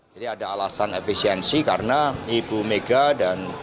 jadi ada alasan efisiensi karena ibu mega dan